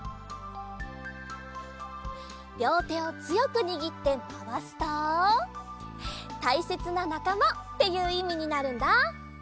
りょうてをつよくにぎってまわすと「たいせつななかま」っていういみになるんだ。